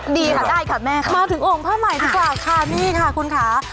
ดีค่ะได้ค่ะแม่ค่ะมาถึงโอ่งผ้าใหม่ดีกว่าค่ะนี่ค่ะคุณค่ะ